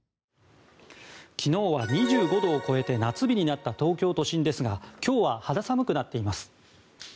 昨日は２５度を超えて夏日になった東京都心ですが今日は肌寒くなっています。